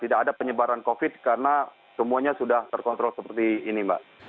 tidak ada penyebaran covid karena semuanya sudah terkontrol seperti ini mbak